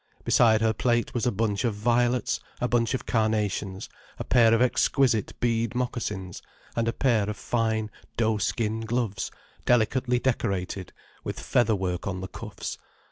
Beside her plate was a bunch of violets, a bunch of carnations, a pair of exquisite bead moccasins, and a pair of fine doeskin gloves delicately decorated with feather work on the cuffs.